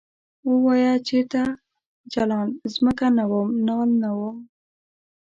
ووایه چرته جلان ځمکه نه وم نال نه وم ؟